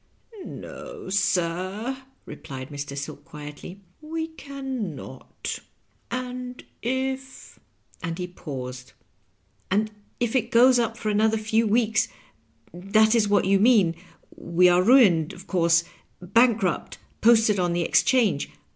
" No, sir," replied Mr. Silk, quietly, " we can not ; and if —^" and he paused. " And if it goes up for another few weeks — ^that is what you mean — ^we are ruined, of course— bankrupt — posted on the Exchange.